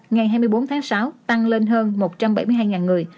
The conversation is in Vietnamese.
ngày hai mươi bốn tháng sáu tăng lên hơn một trăm bảy mươi hai người